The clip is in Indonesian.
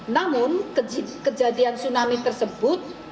namun kejadian tsunami tersebut